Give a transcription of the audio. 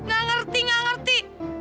gak ngerti gak ngerti